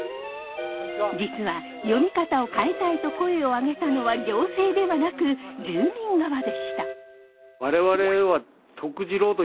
実は読み方を変えたいと声をあげたのは行政ではなく住民側でした。